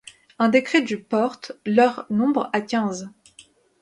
Un décret du porte leur nombre à quinze.